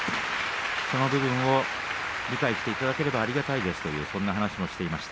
その部分を理解していただければありがたいとそういう話をしていました。